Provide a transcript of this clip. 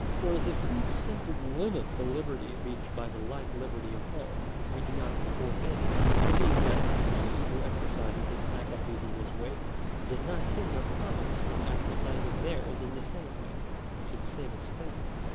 Whereas if we simply limit the liberty of each by the like liberty of all, we do not forbid it ; seeing that he who exercises his faculties in this way, does not hinder others from exercising theirs in the same way, and to the same extent.